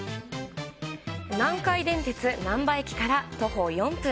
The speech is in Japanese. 南海電鉄なんば駅から徒歩４分。